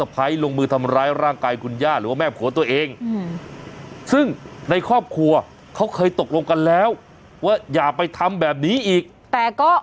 ไปทำแบบนี้อีกแต่ก็